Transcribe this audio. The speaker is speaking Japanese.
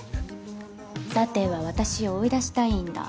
さては私を追い出したいんだ？